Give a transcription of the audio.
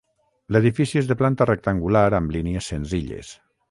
L'edifici és de planta rectangular, amb línies senzilles.